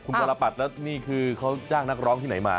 คุณวรปัตรแล้วนี่คือเขาจ้างนักร้องที่ไหนมา